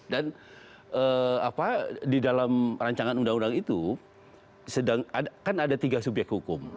dan apa di dalam rancangan undang undang itu kan ada tiga subyek hukum